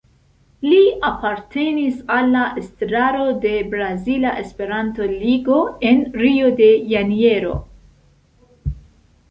Li apartenis al la estraro de Brazila Esperanto-Ligo, en Rio de Janeiro.